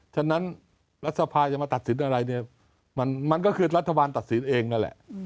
ฉะนั้นรัฐสภาจะมาตัดสินอะไรเนี่ยมันก็คือรัฐบาลตัดสินเองนั่นแหละ